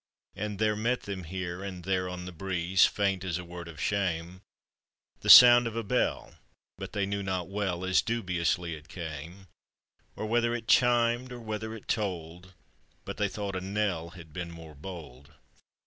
And there met them here and there on the breeze, Faint as a word of shame, The sound of a bell, but they knew not well, As dubiously it came, Or whether it chimed, or whether it tolled, But they thought a knell had been more bold.